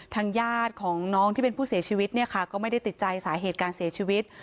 ทางญาติของน้องที่เป็นผู้เสียชีวิตเนี่ยค่ะก็ไม่ได้ติดใจสาเหตุการเสียชีวิต